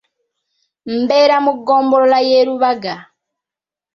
Mbeera mu ggombolola y'e Rubaga.